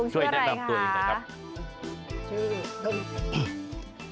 คุณลุงชื่ออะไรคะ